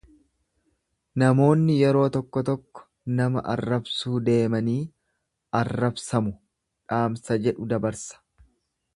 Namoonni yeroo tokko tokko nama arrabsuu deemanii arrabsamu dhaamsa jedhu dabarsa.